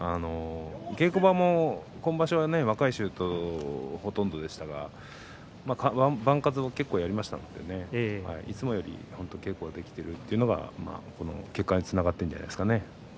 稽古場も今場所は若い衆とほとんどやっていましたが番数を結構やっていますのでねいつもより稽古ができているということが結果につながっているんじゃないでしょうか。